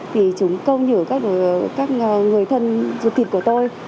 thì chúng câu nhử các người thân ruột thịt của tôi